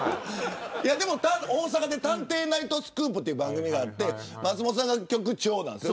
大阪で探偵ナイトスクープという番組をやっていて松本さんが局長なんです。